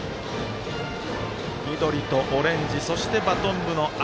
緑とオレンジそして、バトン部の赤。